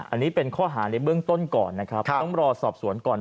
อันนี้เป็นข้อหาในเบื้องต้นก่อนนะครับต้องรอสอบสวนก่อน